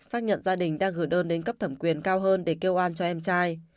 xác nhận gia đình đang gửi đơn đến cấp thẩm quyền cao hơn để kêu an cho em trai